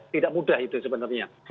tidak mudah itu sebenarnya